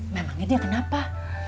memangnya dia kenapa